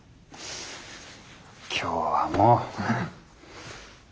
今日はもう。